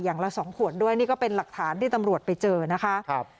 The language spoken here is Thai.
อย่างละสองขวดด้วยนี่ก็เป็นหลักฐานที่ตำรวจไปเจอนะคะครับ